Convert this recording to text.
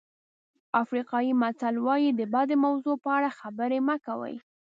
افریقایي متل وایي د بدې موضوع په اړه خبرې مه کوئ.